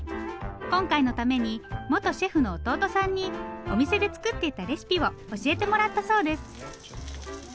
今回のために元シェフの弟さんにお店で作っていたレシピを教えてもらったそうです。